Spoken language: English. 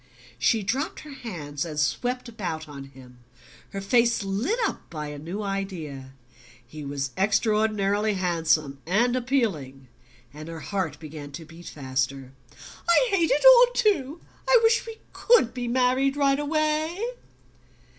She dropped her hands, and swept about on him, her face lit up by a new idea. He was extraordinarily handsome and appealing, and her heart began to beat faster. "I hate it all too! I wish we COULD be married right away!"